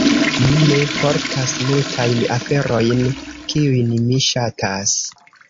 Mi ne portas multajn aferojn, kiujn mi ŝatas.